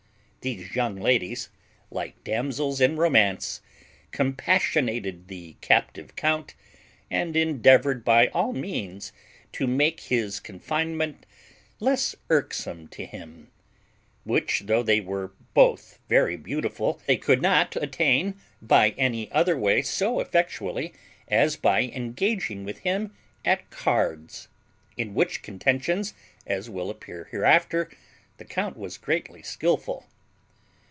These young ladies, like damsels in romance, compassionated the captive count, and endeavoured by all means to make his confinement less irksome to him; which, though they were both very beautiful, they could not attain by any other way so effectually as by engaging with him at cards, in which contentions, as will appear hereafter, the count was greatly skilful.